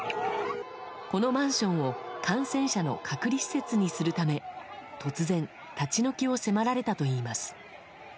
このマンションを感染者の隔離施設にするため突然、立ち退きを迫られたといいます。